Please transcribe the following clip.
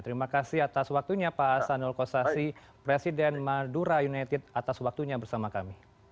terima kasih atas waktunya pak hasanul kossasi presiden madura united atas waktunya bersama kami